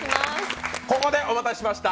ここでお待たせしました。